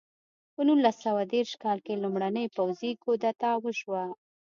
په نولس سوه دېرش کال کې لومړنۍ پوځي کودتا وشوه.